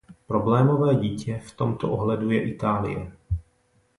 Problémové dítě v tomto ohledu je Itálie.